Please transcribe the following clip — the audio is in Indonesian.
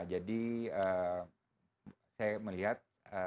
jadi saya melihat